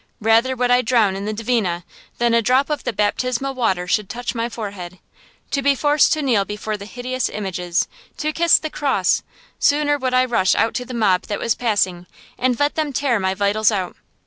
Rather would I drown in the Dvina than a drop of the baptismal water should touch my forehead. To be forced to kneel before the hideous images, to kiss the cross, sooner would I rush out to the mob that was passing, and let them tear my vitals out.